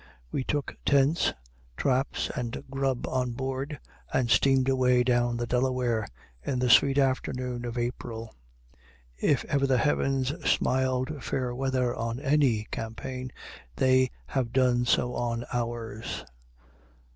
We took tents, traps, and grub on board, and steamed away down the Delaware in the sweet afternoon of April. If ever the heavens smiled fair weather on any campaign, they have done so on ours.